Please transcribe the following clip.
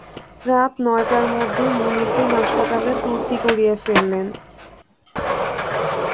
রাত নটার মধ্যে মুনিরকে হাসপাতালে তুর্তি করিয়ে ফেললেন।